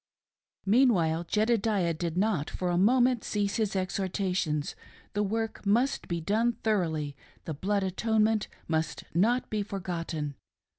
Meanwhile, Jedediah did not for a moment cease his exhor tations, the work must be done thoroughly: the Blood Atone ment must not be forgotten.